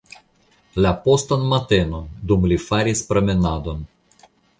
La postan matenon, dum li faris promenadon.